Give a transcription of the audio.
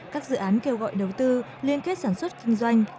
các dự án kêu gọi đầu tư liên kết sản xuất kinh doanh